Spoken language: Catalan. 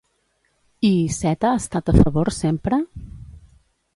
I Iceta ha estat a favor sempre?